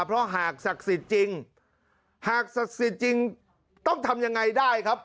เพราะหากศักดิ์สิทธิ์จริงหากศักดิ์สิทธิ์จริงต้องทำยังไงได้ครับ